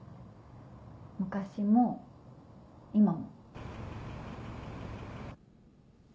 昔も今も。